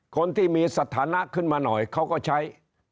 คนที่มีสถานะขึ้นมาหน่อยเขาก็ใช้